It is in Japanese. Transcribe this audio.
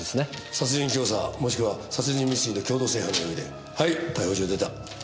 殺人教唆もしくは殺人未遂の共同正犯の容疑ではい逮捕状出た。